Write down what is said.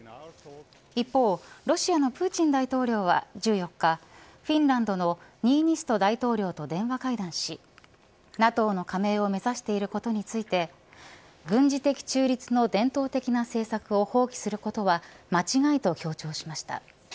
一方ロシアのプーチン大統領は１４日フィンランドのニーニスト大統領と電話会談しＮＡＴＯの加盟を目指していることについて軍事的中立の伝統的な政策を放棄することは間違いと強調しました。